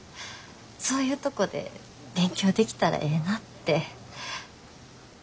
そういうとこで勉強できたらええなって。